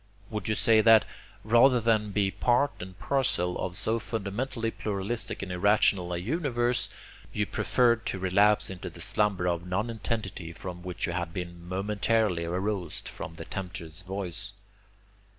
Would you say that, rather than be part and parcel of so fundamentally pluralistic and irrational a universe, you preferred to relapse into the slumber of nonentity from which you had been momentarily aroused by the tempter's voice?